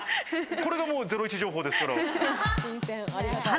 これがゼロイチ情報ですから。